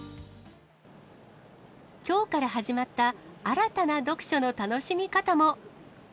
きょうから始まった新たな読書の楽しみ方も。